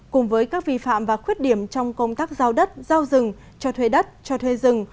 cùng với các vi phạm và khuyết điểm trong công tác giao đất giao rừng cho thuê đất cho thuê rừng